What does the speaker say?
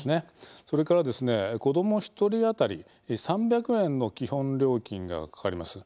それから子ども１人当たり３００円の基本料金がかかります。